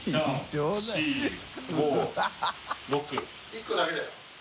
１個だけだよ。